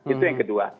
itu yang kedua